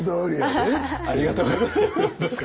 ありがとうございます。